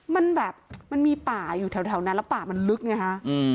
มันแบบมันมีป่าอยู่แถวนั้นแล้วป่ามันลึกไงฮะ